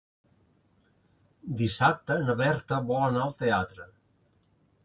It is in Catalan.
Dissabte na Berta vol anar al teatre.